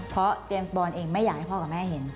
เพราะเจมส์บอลเองไม่อยากให้พ่อกับแม่เห็น